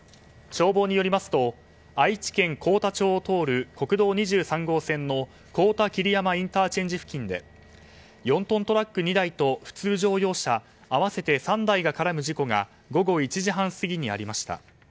消防によりますと愛知県幸田町を通る国道２３号線の幸田桐山ＩＣ付近で４トントラック２台と普通乗用車合わせて３台が絡む事故が午後１時半過ぎにありました。